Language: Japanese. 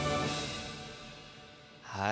はい。